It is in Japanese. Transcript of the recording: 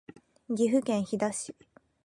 岐阜県飛騨市